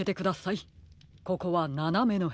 ここはななめのへやです。